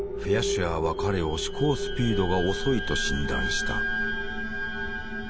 シュアーは彼を思考スピードが遅いと診断した。